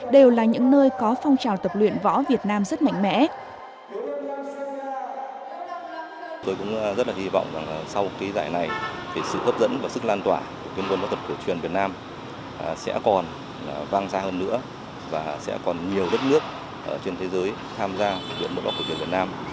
đều là những nơi có phong trào tập luyện võ việt nam rất mạnh mẽ